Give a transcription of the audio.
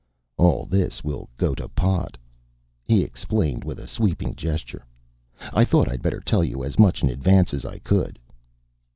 "All this will go to pot," he explained with a sweeping gesture. "I thought I'd better tell you as much in advance as I could."